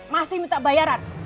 masih minta bayaran